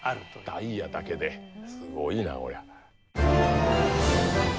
ダイヤだけですごいなこりゃ。